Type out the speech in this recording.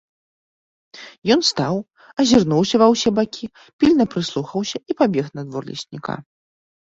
Ён стаў, азірнуўся ва ўсе бакі, пільна прыслухаўся і пабег на двор лесніка.